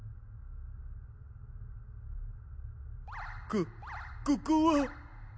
こここは？